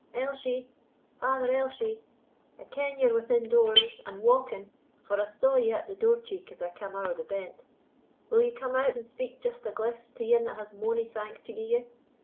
"Elshie! Father Elshie! I ken ye're within doors, and wauking, for I saw ye at the door cheek as I cam ower the bent; will ye come out and speak just a gliff to ane that has mony thanks to gie ye?